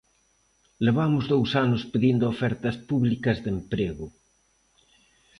Levamos dous anos pedindo ofertas públicas de emprego.